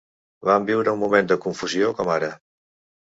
Vam viure un moment de confusió com ara.